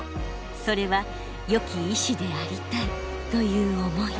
それはよき医師でありたいという思い。